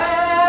eh jangan lari